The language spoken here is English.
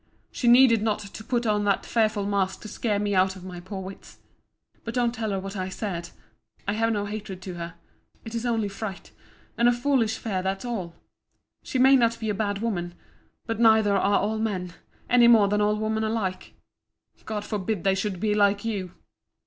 She needed not to put on that fearful mask to scare me out of my poor wits. But don't tell her what I say—I have no hatred to her—it is only fright, and foolish fear, that's all.—She may not be a bad woman—but neither are all men, any more than all women alike—God forbid they should be like you!